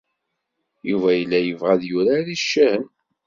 Yuba yella yebɣa ad yurar icahen.